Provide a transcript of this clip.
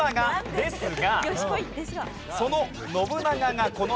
ですが。